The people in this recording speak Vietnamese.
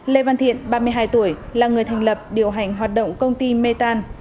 lê văn thiện ba mươi hai tuổi là người thành lập điều hành hoạt động công ty mê tan